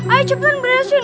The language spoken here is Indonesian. ayo cepetan beresin